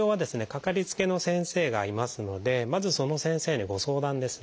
かかりつけの先生がいますのでまずその先生にご相談ですね。